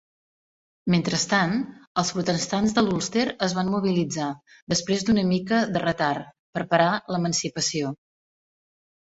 Mentrestant, els protestants de l'Ulster es van mobilitzar, després d'una mica de retard, per parar l'emancipació.